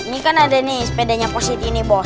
ini kan ada nih sepedanya positi nih bos